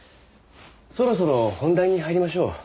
そろそろ本題に入りましょう。